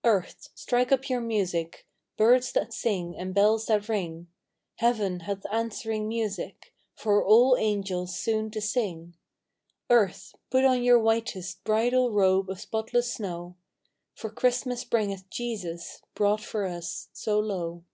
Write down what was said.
CHRISTMAS DAY. 179 II. Earth, strike up your music, Birds that sing and bells that ring; Heaven hath answering music, For all Angels soon to sing; Earth, put on your whitest Bridal robe of spotless snow, For Christmas bringeth Jesus Brought for us so low.